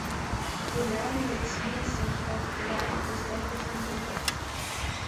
Der Name bezieht sich auf die Lage des Dorfes an der Rott.